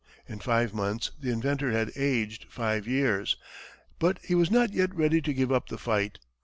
In five months, the inventor had aged five years, but he was not yet ready to give up the fight.